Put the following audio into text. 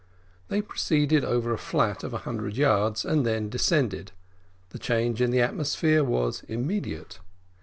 They proceed over a flat of a hundred yards, and then descended the change in the atmosphere was immediate.